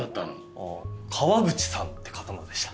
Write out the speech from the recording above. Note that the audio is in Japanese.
あ川口さんって方のでした。